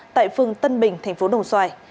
tại phương tân bình tp đồng xoài